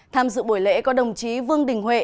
tham dự buổi lễ có đồng chí vương đình huệ